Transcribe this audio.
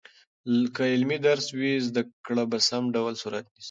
که عملي درس وي، زده کړه په سم ډول صورت نیسي.